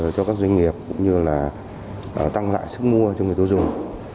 cho các doanh nghiệp cũng như là tăng lại sức mua cho người tiêu dùng